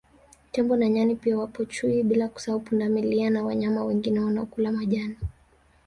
Tembo na Nyani pia wapo Chui bila kusahau Pundamilia na wanyama wengine wanaokula majani